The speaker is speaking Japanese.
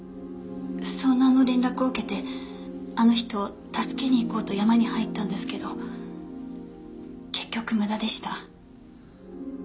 遭難の連絡を受けてあの人助けに行こうと山に入ったんですけど結局無駄でした。